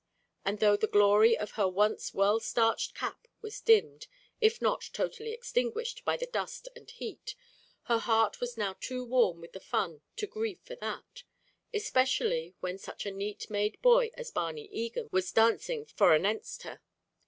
and though the glory of her once well starched cap was dimmed, if not totally extinguished by the dust and heat, her heart was now too warm with the fun to grieve for that, especially when such a neat made boy as Barney Egan was dancing foranenst her.